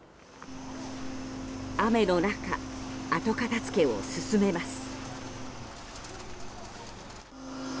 雨の中、後片付けを進めます。